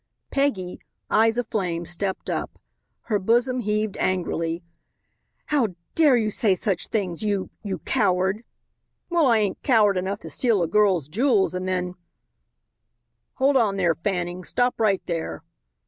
Peggy, eyes aflame, stepped up. Her bosom heaved angrily. "How dare you say such things? You you coward." "Well, I ain't coward enough to steal a girl's jewels and then " "Hold on there, Fanning. Stop right there."